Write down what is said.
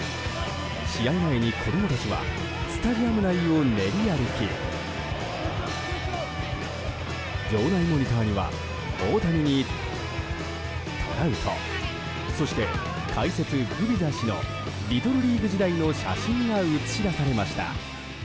試合前に子供たちはスタジアム内を練り歩き場内モニターには大谷にトラウトそして、解説グビザ氏のリトルリーグ時代の写真が映し出されました。